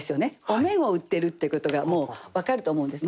お面を売ってるってことがもう分かると思うんです。